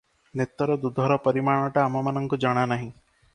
ନେତର ଦୁଧର ପରିମାଣଟା ଆମମାନଙ୍କୁ ଜଣାନାହିଁ ।